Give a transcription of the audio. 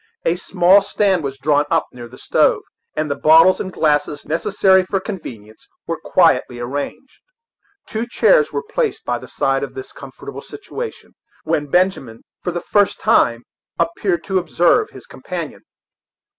A small stand was drawn up near the stove, and the bottles and the glasses necessary for convenience were quietly arranged. Two chairs were placed by the side of this comfortable situation, when Benjamin, for the first time, appeared to observe his companion.